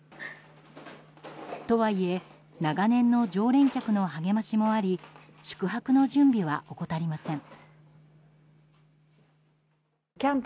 とはいえ長年の常連客の励ましもあり宿泊の準備は怠りません。